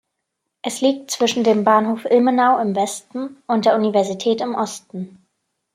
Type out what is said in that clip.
Es liegt zwischen dem Bahnhof Ilmenau im Westen und der Universität im Osten.